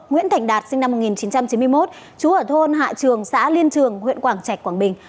nguyễn thành đạt sinh năm một nghìn chín trăm chín mươi một trú ở thôn hạ trường xã liên trường huyện quảng trạch quảng bình